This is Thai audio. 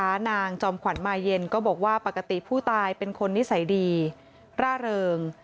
นางจอมขวัญมาเย็นก็บอกว่าปกติผู้ตายเป็นคนนิสัยดีร่าเริง